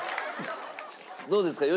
どうですか？